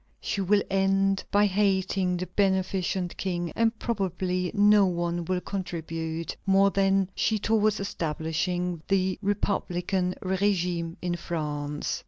She will end by hating the beneficent King, and probably no one will contribute more than she towards establishing the republican régime in France.